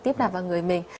tiếp đạp vào người mình